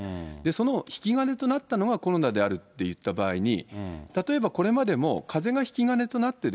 その引き金となったのはコロナであるといった場合に、例えばこれまでも、かぜが引き金となって、